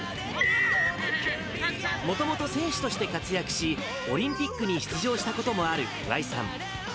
もともと選手として活躍し、オリンピックに出場したこともある桑井さん。